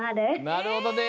なるほどね。